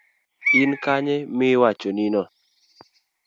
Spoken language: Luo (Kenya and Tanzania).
In kanye miwachonino?